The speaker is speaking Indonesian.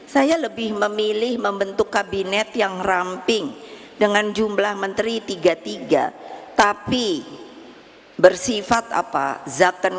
saya lebih memilih membentuk kabinet yang ramping dengan jumlah menteri tiga puluh tiga tapi bersifat apa zattent